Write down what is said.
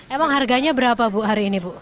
emang harganya berapa bu hari ini bu